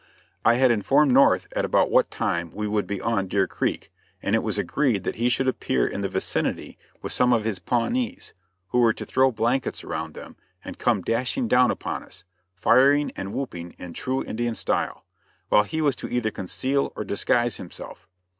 I had informed North at about what time we would be on Deer Creek, and it was agreed that he should appear in the vicinity with some of his Pawnees, who were to throw their blankets around them, and come dashing down upon us, firing and whooping in true Indian style; while he was to either conceal or disguise himself.